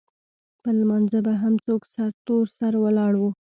پر لمانځه به هم څوک سرتور سر ولاړ وو.